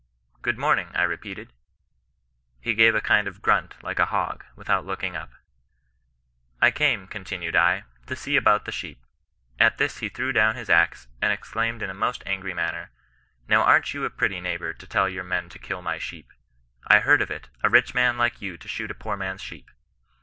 Good morning, I repeated. He gaNre a kind of grunt like a hog, without looking up. I came, continued I, to see you about the sheep. At this he threw down his axe, and exclaimed in a most angry manner, * Now am't you a pretty neighbour to tell your men to kill my sheep ! I heard of it — a rich man like you to shoot a poor man's sheep